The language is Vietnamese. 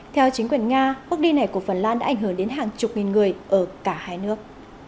theo chính quyền nga bước đi này của phần lan đã ảnh hưởng đến hàng chục nghìn người ở cả hai nước